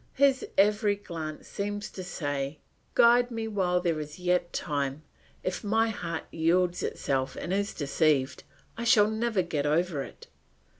His every glance seems to say, "Guide me while there is yet time; if my heart yields itself and is deceived, I shall never get over it."